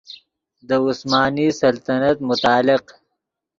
دے عثمانی سلطنت متعلق